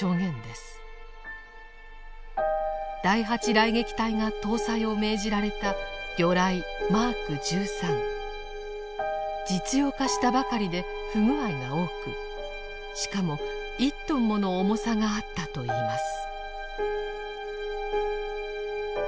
雷撃隊が搭載を命じられた実用化したばかりで不具合が多くしかも１トンもの重さがあったといいます。